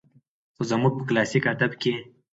خو زموږ په کلاسيک ادب کې